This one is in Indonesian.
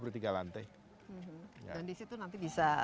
pembicara lima puluh tujuh dan di situ nanti bisa ada